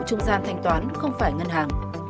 trung gian thanh toán không phải ngân hàng